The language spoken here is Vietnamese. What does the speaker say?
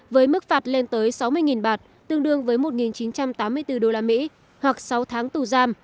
với mức phạt lên tới sáu mươi bạt tương đương với một chín trăm tám mươi bốn usd hoặc sáu tháng tù giam